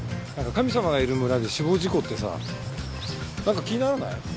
なんか神様がいる村で死亡事故ってさなんか気にならない？